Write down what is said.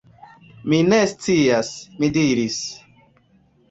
Mi ne scias, mi diris.